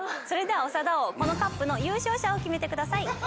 それでは長田王このＣＵＰの優勝者を決めてください。